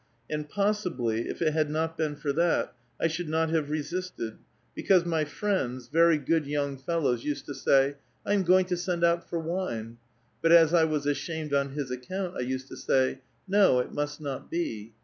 And possibly if it had not been for that, I should not have resisted, because my friends, very good young fellows, used A VITAL QUESTION. 216 to say, ' I am going to send out for wine *; but as I was ashamed ou his account, I used to say, ^ No, it must not be.'